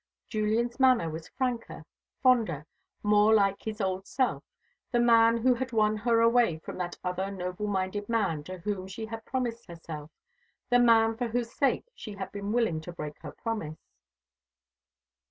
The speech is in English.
Julian's manner was franker, fonder, more like his old self the man who had won her away from that other noble minded man to whom she had promised herself the man for whose sake she had been willing to break her promise.